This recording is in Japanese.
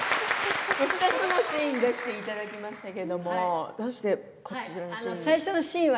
２つのシーンを出していただきましたけれどもどうしてこちらのシーンを？